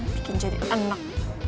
bikin jadi enak